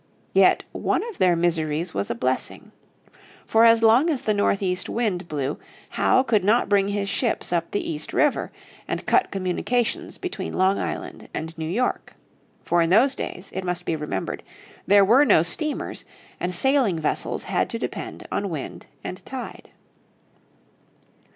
Yet one of their miseries was a blessing. For as long as the northeast wind blew Howe could not bring his ships up the East River and cut communications between Long Island and New York. For in those days, it must be remembered, there were no steamers, and sailing vessels had to depend on wind and tide.